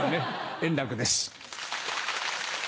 円楽です。